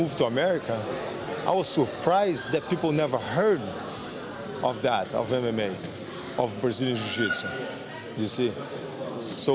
pertama kali kita tidak pernah mendengar tentang mma brazilian jiu jitsu